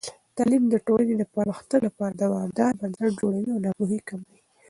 تعلیم د ټولنې د پرمختګ لپاره دوامدار بنسټ جوړوي او ناپوهي کموي.